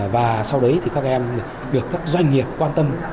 và sau đấy thì các em được các doanh nghiệp quan tâm